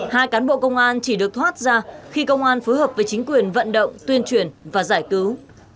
hai cán bộ công an chỉ được thoát ra khi công an phối hợp với chính quyền vận động tuyên truyền và giải cứu